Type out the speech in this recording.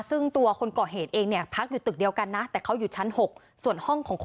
เป็นหนึ่งมีคนอยู่มาภายสองน่ะ